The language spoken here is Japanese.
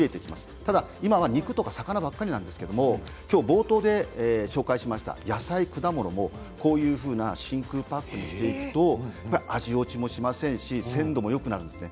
ただ今は肉や魚ばかりですが冒頭で紹介しました野菜、果物もこういうふうな真空パックにしていくと味落ちもしませんし鮮度もよくなるんですね。